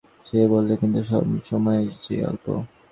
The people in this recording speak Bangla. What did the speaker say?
লাবণ্য হাতে-বাঁধা ঘড়িটার দিকে চেয়ে বললে, কিন্তু সময় যে অল্প।